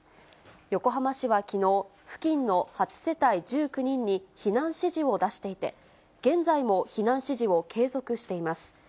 横浜市はきのう、付近の８世帯１９人に避難指示を出していて、現在も避難指示を継続しています。